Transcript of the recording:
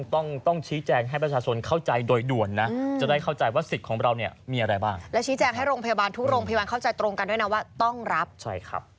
ต้องต้องชี้แจงให้ประชาชนเข้าใจโดยด่วนนะจะได้เข้าใจว่าสิทธิ์ของเราเนี่ยมีอะไรบ้างและชี้แจงให้โรงพยาบาลทุกโรงพยาบาลเข้าใจตรงกันด้วยนะว่าต้องรับใช่ครับ